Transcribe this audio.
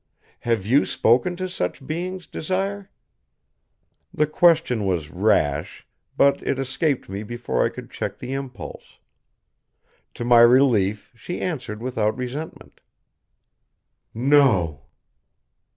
"Have you spoken to such beings, Desire?" The question was rash, but it escaped me before I could check the impulse. To my relief, she answered without resentment: "No."